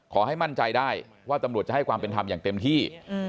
ขอให้มั่นใจได้ว่าตำรวจจะให้ความเป็นธรรมอย่างเต็มที่